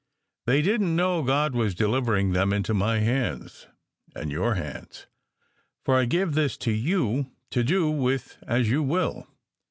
They didn t know God was delivering them into my hands and your hands. For I give this to you to do with as you will.